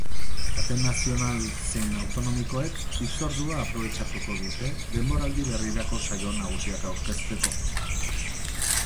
Kate nazional zein autonomikoek hitzordua aprobetxatuko dute denboraldi berrirako saio nagusiak aurkezteko.